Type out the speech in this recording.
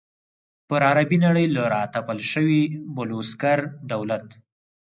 پر عربي نړۍ له را تپل شوي بلوسګر دولت.